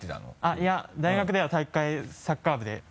いや大学では体育会サッカー部で。